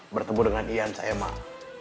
bertemu dengan ian saya mak